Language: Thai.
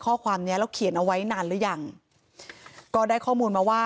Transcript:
ข้อความเนี้ยแล้วเขียนเอาไว้นานหรือยังก็ได้ข้อมูลมาว่า